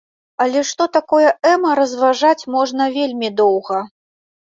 Але што такое эма разважаць можна вельмі доўга.